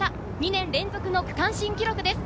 ２年連続の区間新記録です。